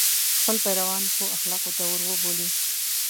خپل پیروان ښو اخلاقو ته وروبولي.